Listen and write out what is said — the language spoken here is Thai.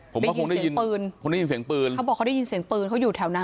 ผมก็คงได้ยินปืนคงได้ยินเสียงปืนเขาบอกเขาได้ยินเสียงปืนเขาอยู่แถวนั้น